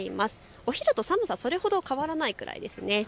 お昼と寒さ、それほど変わらないくらいです。